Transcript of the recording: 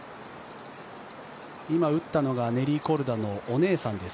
今打ったのがネリー・コルダのお姉さんです。